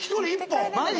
マジ？